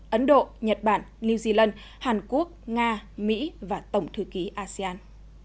ấn độ nhật bản new zealand hàn quốc nga mỹ và tổng thư ký asean